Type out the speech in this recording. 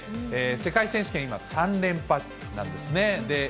世界選手権、今、３連覇中なんですね。